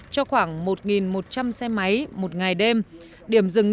cho khoảng một một trăm linh xe máy một ngày đêm